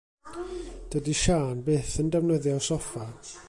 Dydi Siân byth yn defnyddio'r soffa.